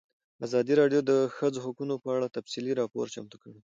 ازادي راډیو د د ښځو حقونه په اړه تفصیلي راپور چمتو کړی.